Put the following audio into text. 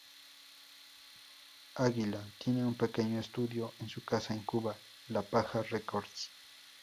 Águila tiene un pequeño estudio en su casa en Cuba, La Paja Records.